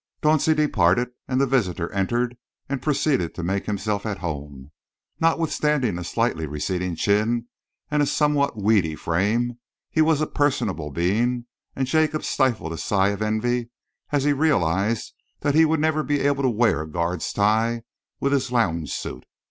Dauncey departed, and the visitor entered and proceeded to make himself at home. Notwithstanding a slightly receding chin and a somewhat weedy frame, he was a personable being, and Jacob stifled a sigh of envy as he realised that he would never be able to wear a Guards' tie with his lounge suit.